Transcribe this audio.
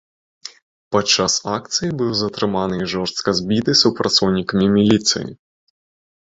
Падчас акцыі быў затрыманы і жорстка збіты супрацоўнікамі міліцыі.